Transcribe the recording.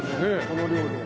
この量で。